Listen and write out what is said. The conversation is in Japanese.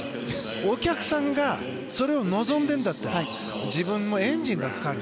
お客さんがそれを望んでいるなら自分のエンジンがかかる。